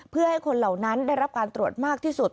เพื่อให้คนเหล่านั้นได้รับการตรวจมากที่สุด